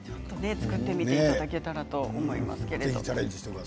作ってみていただけたらと思います。